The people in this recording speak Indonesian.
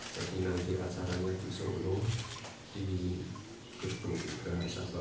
tapi nanti acara medi solo di gedung geraha sababuan